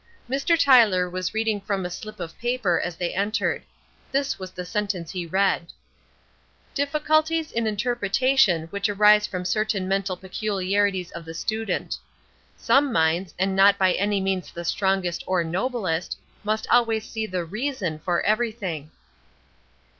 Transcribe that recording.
Mr. Tyler was reading from a slip of paper as they entered. This was the sentence he read: "Difficulties in interpretation which arise from certain mental peculiarities of the student. Some minds, and not by any means the strongest or noblest, must always see the reason for everything."